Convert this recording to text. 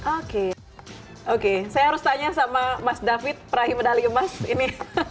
oke oke saya harus tanya sama mas david peraih medali emas ini